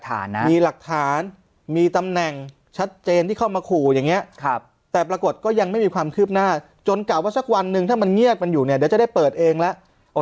ถ้ามันเงียบมันอยู่เดี๋ยวจะได้เปิดเองแล้ว